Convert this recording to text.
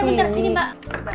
bentar bentar sini mbak